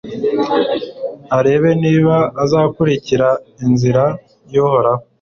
arebe niba izakurikira inzira y'uhoraho